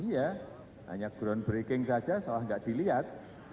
iya hanya groundbreaking saja salah enggak dilihat